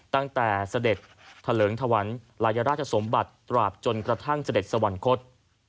ตั้งแต่เสด็จเถลิงถวันลายราชสมบัติตราบจนกระทั่งเสด็จสวรรคต